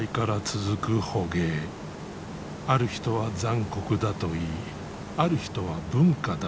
ある人は残酷だといいある人は文化だという。